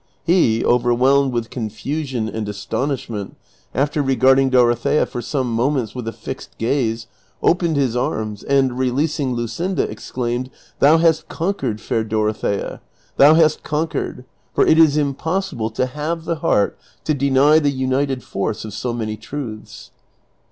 He, overwhelmed with confusion and astonishment, after regarding Dorothea for some moments with a tixed gaze, opened his arms, and, releasing Luscinda, exclaimed, " Thou hast conquered, fair Dorothea, thou hast conquered, for it is impossible to have the heart to deny the united force of so many truths."